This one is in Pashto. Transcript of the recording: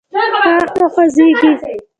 غاښ مو خوځیږي؟